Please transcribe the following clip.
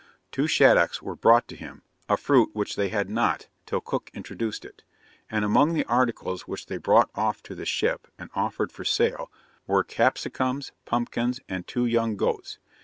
Two shaddocks were brought to him, a fruit which they had not till Cook introduced it; and among the articles which they brought off to the ship, and offered for sale, were capsicums, pumpkins, and two young goats.